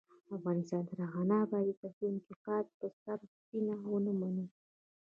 افغانستان تر هغو نه ابادیږي، ترڅو انتقاد په سړه سینه ونه منو.